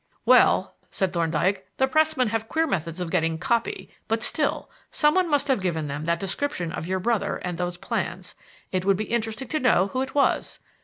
"Well," said Thorndyke, "the pressmen have queer methods of getting 'copy'; but still, some one must have given them that description of your brother and those plans. It would be interesting to know who it was.